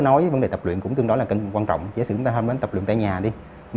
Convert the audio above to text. nói vấn đề tập luyện cũng tương đối là quan trọng giả sử chúng ta hôm đến tập luyện tại nhà đi chúng